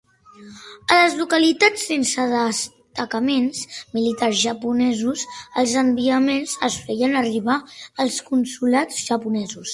A les localitats sense destacaments militars japonesos, els enviaments es feien arribar als consolats japonesos.